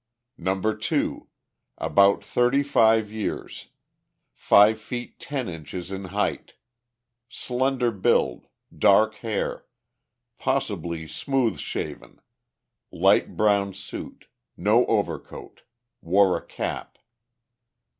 No. 2, about 35 years, five feet ten inches in height, slender build, dark hair, possibly smooth shaven, light brown suit, no overcoat, wore a cap.